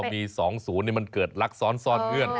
อ๋อมี๒๐นี่มันเกิดรักซ้อนเพื่อน